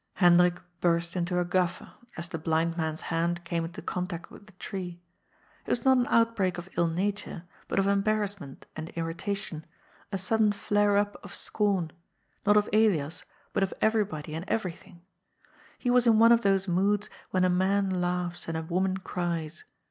Hendrik burst into a guffaw as the blind man's hand came into contact with the tree. It was not an outbreak of ill nature, but of embarrassment and irritation, a sudden flare up of scorn, not of Elias, but of everybody and every thing. He was in one of those moods when a man laughs and a woman cries.